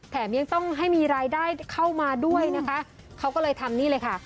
ยังต้องให้มีรายได้เข้ามาด้วยนะคะเขาก็เลยทำนี่เลยค่ะ